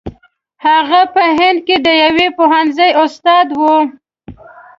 هغه په هند کې د یوه پوهنځي استاد وو.